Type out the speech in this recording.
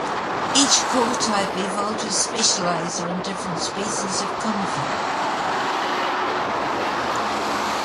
Each call type evolved to specialize on different species of conifer.